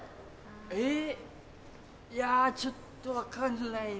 えいやちょっと分かんないな。